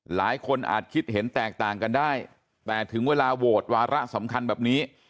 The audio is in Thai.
หลายคนอาจคิดเห็นแตกต่างกันได้แต่ถึงเวลาโหวตวาระสำคัญแบบนี้